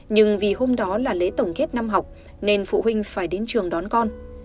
nhưng vì hôm đó là lễ tổng kết năm học nên phụ huynh phải đến trường đón con